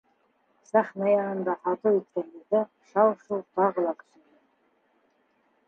Сәхнә янында, һатыу иткән ерҙә шау-шыу тағы ла көсәйгән.